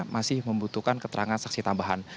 masih membutuhkan keterangan saksi tambahan